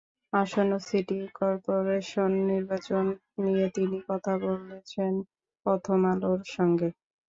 আসন্ন city corporation নির্বাচন নিয়ে তিনি কথা বলেছেন প্রথম আলোর সঙ্গে।